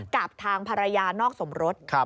กับทางภรรยานอกสมรส